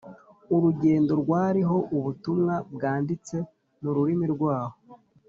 urugendo rwariho ubutumwa bwanditse mu rurimi rwaho